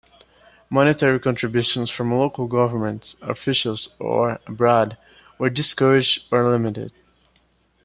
Monetary contribution from local government officials or abroad were discouraged or limited.